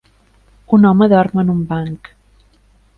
Un home dorm en un banc.